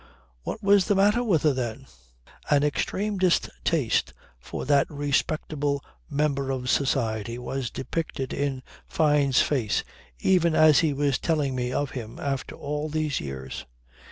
What was the matter with her then? An extreme distaste for that respectable member of society was depicted in Fyne's face even as he was telling me of him after all these years.